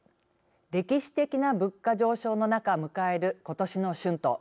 歴史的な物価上昇の中迎える今年の春闘。